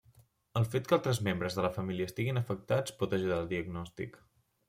El fet que altres membres de la família estiguin afectats pot ajudar al diagnòstic.